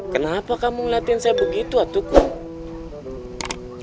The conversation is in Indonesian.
kenapa kamu ngeliatin saya begitu hatiku